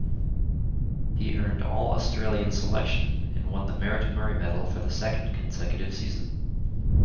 He earned All-Australian selection and won the Merrett-Murray Medal for the second consecutive season.